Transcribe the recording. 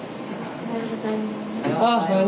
おはようございます。